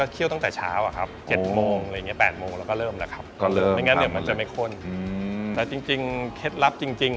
กี่ชั่วโมง